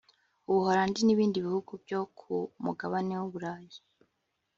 u Buholandi n’ibindi bihugu byo ku mugabane w’u Burayi